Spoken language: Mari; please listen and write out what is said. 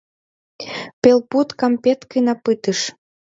Пелпуд кампеткына пытыш